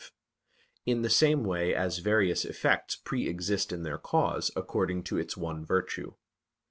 v); in the same way as various effects pre exist in their cause, according to its one virtue.